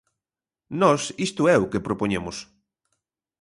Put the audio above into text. Nós isto é o que propoñemos.